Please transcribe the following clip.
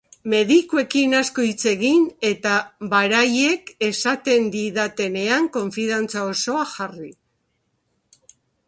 Medikuekin asko hitz egin eta baraiek esaten didatenean konfiantza osoa jarri.